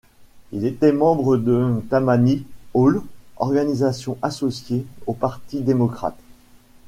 Il était membre du Tammany Hall, organisation associée au parti démocrate.